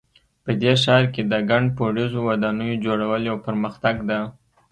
په دې ښار کې د ګڼ پوړیزو ودانیو جوړول یو پرمختګ ده